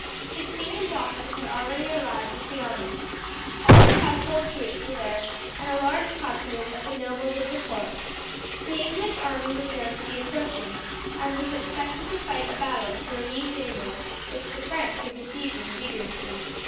The king and dauphin had already arrived with the army. All the household troops were there, and a large contingent of the nobles of the court. The English army was known to be approaching, and was expected to fight a battle to relieve Namur, which the French were besieging vigorously.